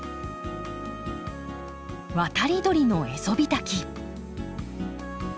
渡り鳥のエゾビタキ。